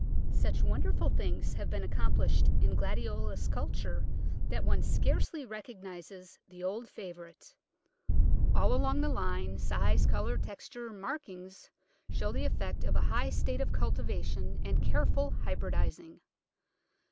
Such wonderful things have been accomplished in Digitized by Google iS2 The Flower Garden [Chapter Gladiolus culture that one scarcely recognises the old favourite. All along the line, size, colour, texture, markings show the effect of a high state of cultiva tion and careful hybridising.